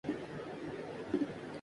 تم لنگڑے ہو